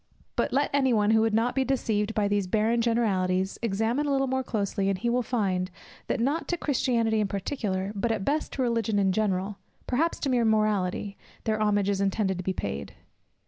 But let any one, who would not be deceived, by these "barren generalities" examine a little more closely, and he will find, that not to Christianity in particular, but at best to Religion in general, perhaps to mere Morality, their homage is intended to be paid.